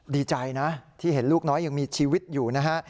ดีใจนะที่เห็นลูกน้อยยังมีชีวิตอยู่นะฮะ